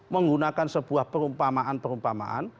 menggunakan sebuah perumpamaan perumpamaan